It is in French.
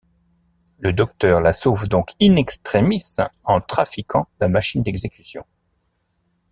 Le Docteur la sauve donc in extremis en trafiquant la machine d'exécution.